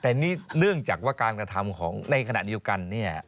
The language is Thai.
แต่นี่เนื่องจากว่าการกระทำของในขณะเดียวกันเนี่ย